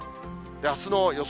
あすの予想